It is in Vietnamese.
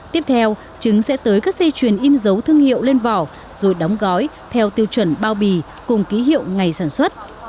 tiếp theo trứng sẽ tới các dây chuyền in dấu thương hiệu lên vỏ rồi đóng gói theo tiêu chuẩn bao bì cùng ký hiệu ngày sản xuất